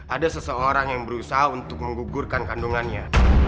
ada seseorang yang berusaha untuk menggugurkan kandungannya